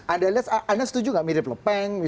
anda setuju gak mirip lepeng